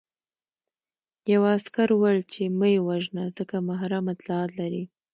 یوه عسکر وویل چې مه یې وژنه ځکه محرم اطلاعات لري